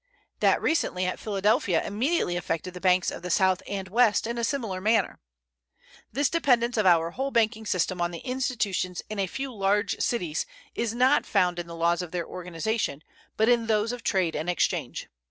That recently at Philadelphia immediately affected the banks of the South and West in a similar manner. This dependence of our whole banking system on the institutions in a few large cities is not found in the laws of their organization, but in those of trade and exchange.